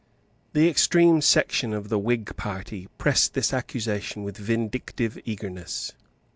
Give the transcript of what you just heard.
The extreme section of the Whig party pressed this accusation with vindictive eagerness.